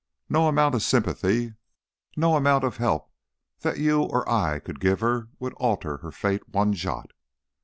No amount of sympathy, no amount of help that you or I could give her would alter her fate one jot.